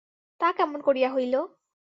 তা কেমন করিয়া হইল?